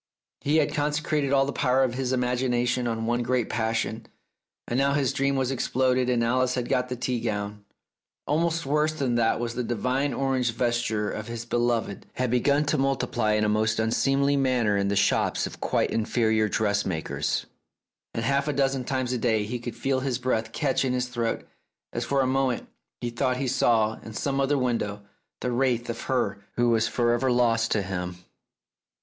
He had consecrated all the power of his imagination on one great passion, and now his dream was exploded and Alice had got the tea gown ! Almost worse than that was that the divine orange vesture of his beloved had begun to multiply in a most unseemly manner in the shops of quite inferior dressmakers, and half a dozen times a day he could feel his breath catch in his throat as for a moment he thought he saw in some other window the wraith of her who was for ever lost to him.